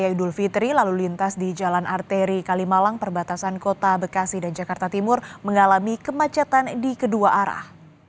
pada idul fitri lalu lintas di jalan arteri kalimalang perbatasan kota bekasi dan jakarta timur mengalami kemacetan di kedua arah